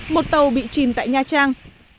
một tàu bị chìm tại nha trang